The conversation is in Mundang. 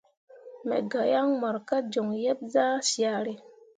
Me ga yaŋ mor ka joŋ yeb zah syare.